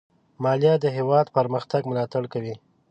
مالیه د هېواد پرمختګ ملاتړ کوي.